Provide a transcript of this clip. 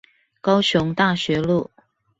高雄大學路